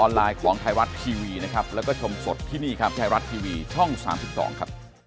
เรามองว่าเป็นศรีสรรค์ประชาธิบัติทุกคนมีสิทธิ์ที่จะแสดงออกได้